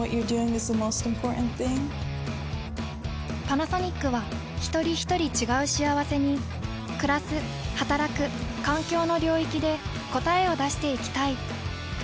パナソニックはひとりひとり違う幸せにくらすはたらく環境の領域で答えを出していきたい。